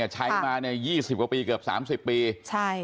ใช้มาใน๒๐กว่าปีเกือบ๓๐ปี